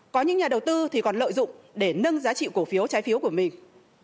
có những nhà đầu tư thì còn lợi dụng để nâng giá trị cổ phiếu trái phiếu của mình